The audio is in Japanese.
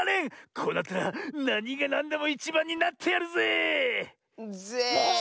こうなったらなにがなんでもいちばんになってやるぜ。ぜ！